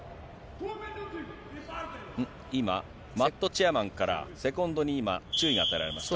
今、マットチェアマンからセコンドに今、注意が与えられました。